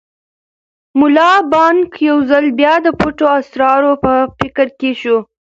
ملا بانګ یو ځل بیا د پټو اسرارو په فکر کې شو.